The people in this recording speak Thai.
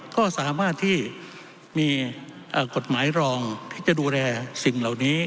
ก็สามารถที่มีกฎหมายรองที่จะดูแลสิ่งเหล่านี้